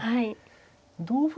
同歩